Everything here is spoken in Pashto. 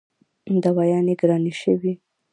دوايانې ګرانې شوې